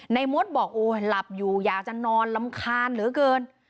มดบอกโอ้หลับอยู่อยากจะนอนรำคาญเหลือเกิน